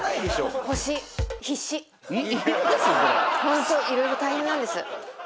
ホントいろいろ大変なんです。